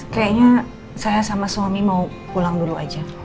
kayaknya saya sama suami mau pulang dulu aja